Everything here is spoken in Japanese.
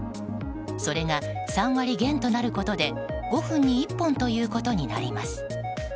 それが３割減となることで５分に１本ということになります。